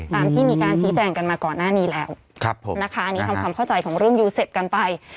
ตามที่มีการชี้แจงกันมาก่อนหน้านี้แล้วนะคะอันนี้ทำความเข้าใจของเรื่องยูเซฟกันไป